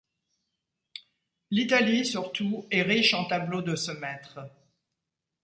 L’Italie surtout est riche en tableaux de ce maître.